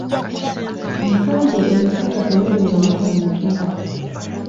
Amaka ge e Masaka temubeeramu bantu.